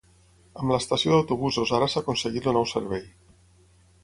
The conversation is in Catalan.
Amb la estació d’autobusos ara s’ha aconseguit el nou servei.